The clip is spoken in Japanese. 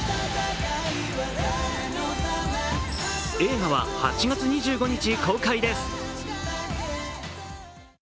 映画は８月２５日公開です。